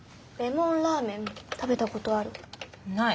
ない。